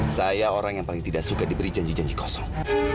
saya orang yang paling tidak suka diberi janji janji kosong